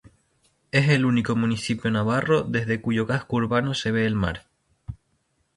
Es el único municipio navarro desde cuyo casco urbano se ve el mar.